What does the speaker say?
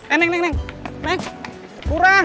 eh nek nek nek kurang